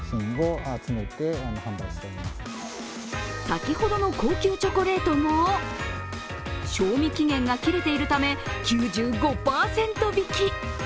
先ほどの高級チョコレートも賞味期限が切れているため９５％引き。